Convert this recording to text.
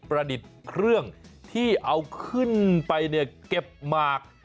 ประดิษฐ์เครื่องที่เอาขึ้นไปเก็บหมาก